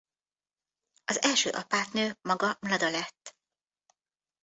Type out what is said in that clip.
Az első apátnő maga Mlada lett.